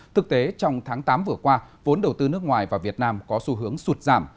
thực tế trong tháng tám vừa qua vốn đầu tư nước ngoài và việt nam có xu hướng sụt giảm